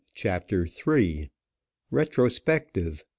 CHAPTER III. RETROSPECTIVE.